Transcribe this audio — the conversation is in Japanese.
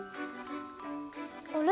あれ？